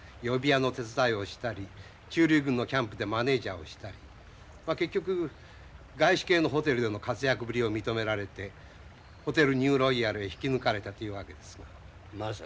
呼び屋の手伝いをしたり駐留軍のキャンプでマネージャーをしたり結局外資系のホテルでの活躍ぶりを認められてホテルニューロイヤルへ引き抜かれたというわけですな。